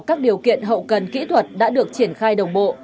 các điều kiện hậu cần kỹ thuật đã được triển khai đồng bộ